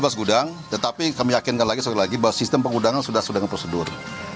iya sini ada lima belas gudang tetapi kami yakinkan lagi satu lagi bahwa sistem pengudangan sudah sudah dengan prosedur